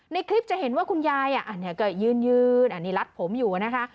ในคลิปจะเห็นว่าคุณยายก็ยืนอันนี้รัดผมอยู่นะคะ